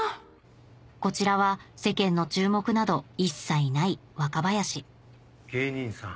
こちらは世間の注目など一切ない若林芸人さん。